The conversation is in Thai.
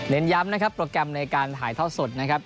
ย้ำนะครับโปรแกรมในการถ่ายท่อสดนะครับ